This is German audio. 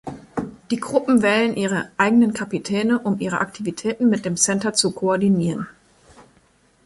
Die Gruppen wählen ihre eigene Kapitäne, um ihre Aktivitäten mit dem Center zu koordinieren.